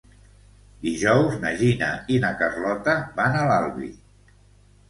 Dijous na Gina i na Carlota van a l'Albi.